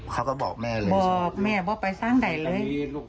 เขาก็บอกแม่เลยบอกแม่บอกไปสร้างใดเลย